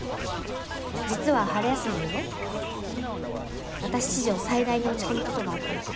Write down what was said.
実は春休みにね私史上最大に落ち込むことがあったの。